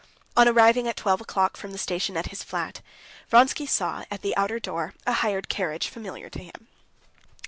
On arriving at twelve o'clock from the station at his flat, Vronsky saw, at the outer door, a hired carriage familiar to him.